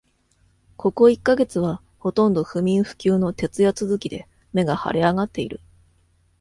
ここ一ヶ月は、ほとんど不眠不休の徹夜続きで、目が腫れ上がっている。